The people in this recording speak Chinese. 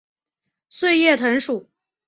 穗叶藤属。